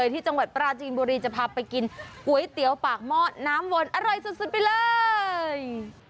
ที่จังหวัดปราจีนบุรีจะพาไปกินก๋วยเตี๋ยวปากหม้อน้ำวนอร่อยสุดไปเลย